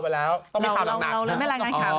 เราเลยไม่ไลงงานขับ